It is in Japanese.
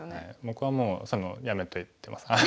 僕はもうやめといてます。